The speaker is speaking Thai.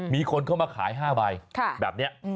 มีคนเข้ามาขาย๕ใบแบบนี้